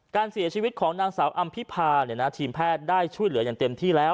การเสียชีวิตของนางสาวอำพิพาทีมแพทย์ได้ช่วยเหลืออย่างเต็มที่แล้ว